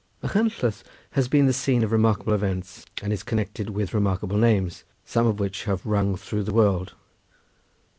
Machynlleth has been the scene of remarkable events, and is connected with remarkable names, some of which have rung through the world.